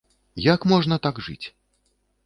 Як можна так жыць?